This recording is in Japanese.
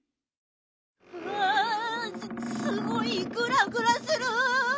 うわすごいグラグラする。